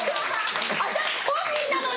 私本人なのに！